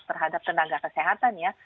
terhadap tenaga kesehatan ya